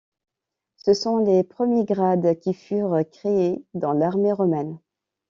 Ce sont les premiers grades qui furent créés dans l'armée romaine.